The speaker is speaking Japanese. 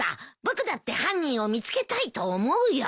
僕だって犯人を見つけたいと思うよ。